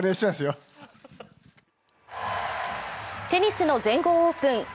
テニスの全豪オープン。